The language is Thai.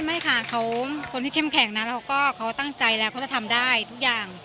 ไม่ค่ะเขาคนที่เข้มแข็งนะเราก็เขาตั้งใจแล้วเขาจะทำได้ทุกอย่าง